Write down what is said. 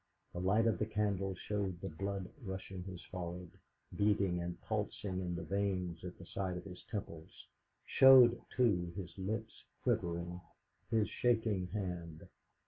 The light of the candle showed the blood flushing his forehead, beating and pulsing in the veins at the side of his temples; showed, too, his lips quivering, his shaking hand.